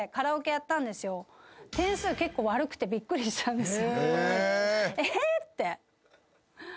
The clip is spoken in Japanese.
点数結構悪くてびっくりしたんですよ。